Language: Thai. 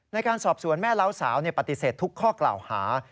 ในการสอบสวนแม่เล้าสาวปฏิเสธทุกข้อกล่าวหา